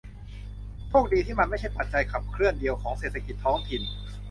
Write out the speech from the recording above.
โชคดีที่มันไม่ใช่ปัจจัยขับเคลื่อนเดียวของเศรษฐกิจท้องถิ่น